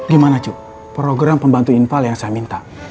gimana cu program pembantu infal yang saya minta